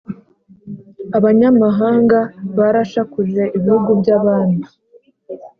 Abanyamahanga barashakuje Ibihugu by abami